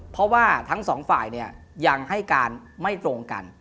เพราะว่าทั้งสองฝ่ายยังให้การไม่ตรงกัน